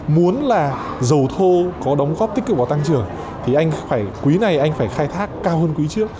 muốn là dầu thô có đóng góp tích cực vào tăng trưởng thì anh phải quý này anh phải khai thác cao hơn quý trước